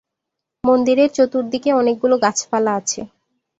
মন্দিরের চতুর্দিকে অনেকগুলো গাছপালা আছে।